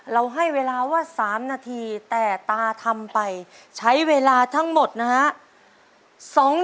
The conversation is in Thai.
ให้เวลาว่า๓นาทีแต่ตาทำไปใช้เวลาทั้งหมดนะฮะ